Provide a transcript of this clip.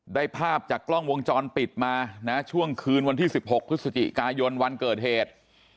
ได้ภาพจากกล้องวงจรปิดมานะช่วงคืนวันที่๑๖พฤศจิกายนวันเกิดเหตุ